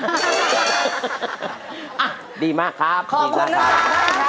อ่ะดีมากครับขอบคุณนะครับ